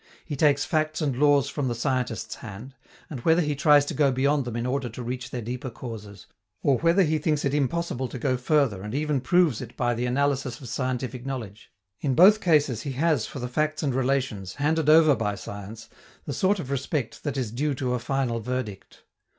He takes facts and laws from the scientists' hand; and whether he tries to go beyond them in order to reach their deeper causes, or whether he thinks it impossible to go further and even proves it by the analysis of scientific knowledge, in both cases he has for the facts and relations, handed over by science, the sort of respect that is due to a final verdict.